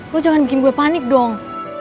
lo jangan bikin gue panik dong